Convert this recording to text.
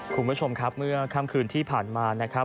คุณผู้ชมครับเมื่อค่ำคืนที่ผ่านมานะครับ